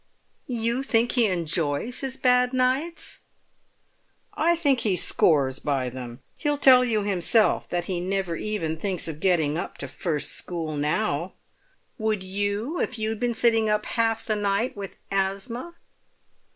"You think he enjoys his bad nights?" "I think he scores by them. He'd tell you himself that he never even thinks of getting up to first school now." "Would you if you'd been sitting up half the night with asthma?"